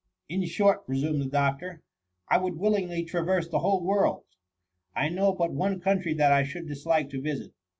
" In short,'' resumed the doctor, " I would willingly traverse the whole world ; I know but one country that I should dislike to vislt.